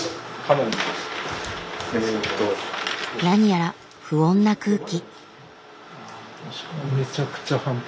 何やら不穏な空気。